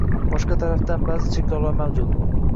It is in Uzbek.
Boshqa tarafdan, ba’zi cheklovlar mavjud.